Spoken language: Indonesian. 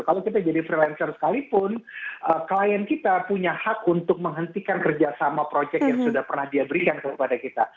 kalau kita jadi freelancer sekalipun klien kita punya hak untuk menghentikan kerjasama proyek yang sudah pernah dia berikan kepada kita